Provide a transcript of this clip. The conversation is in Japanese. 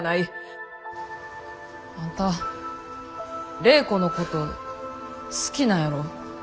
あんた礼子のこと好きなんやろ？